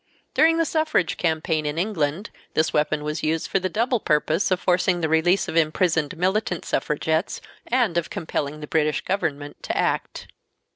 During the suffrage campaign in England this weapon was used for the double purpose of forcing the release of imprisoned militant suffragettes, and of compelling the British government to act.